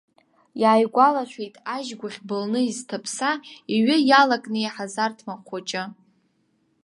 Иааигәалашәеит, ажь гәаӷь былны изҭаԥса, иҩы иалакнеиҳаз арҭмаҟ хәыҷы.